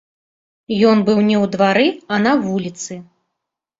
Ён быў не ў двары, а на вуліцы.